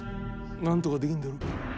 なんとかできんだろ。